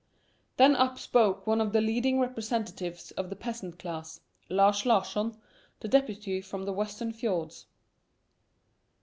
Then up spoke one of the leading representatives of the peasant class, Lars Larsson, the deputy from the western fiords.